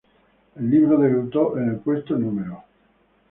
El libro debutó en el puesto No.